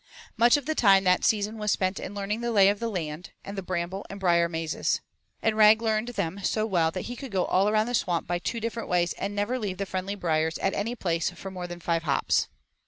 Much of the time that season was spent in learning the lay of the land, and the bramble and brier mazes. And Rag learned them so well that he could go all around the swamp by two different ways and never leave the friendly briers at any place for more than five hops.